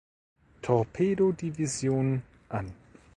Torpedodivision an.